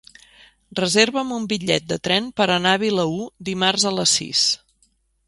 Reserva'm un bitllet de tren per anar a Vilaür dimarts a les sis.